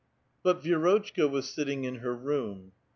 But Vierotehka was sitting in her room.